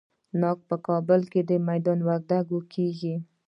ناک په کابل او میدان وردګو کې کیږي.